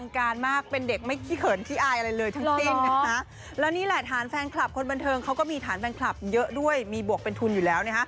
เขาก็มีฐานแฟนคลับเยอะด้วยมีบวกเป็นทุนอยู่แล้ว